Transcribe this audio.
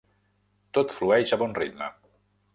Tot flueix a bon ritme.